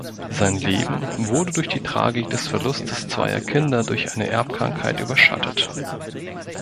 Sein Leben wurde durch die Tragik des Verlustes zweier Kinder durch eine Erbkrankheit überschattet.